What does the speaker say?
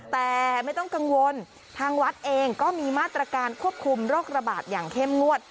แต่ไม่ต้องกังวลทางวัดเองก็มีมาตรการควบคุมโรคระบาดอย่างเข้มงวด